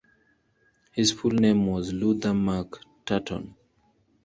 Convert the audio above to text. His full name was Luther Mark Turton.